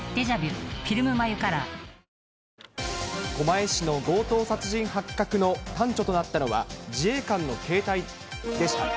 ⁉狛江市の強盗殺人発覚の端緒となったのは、自衛官の携帯でした。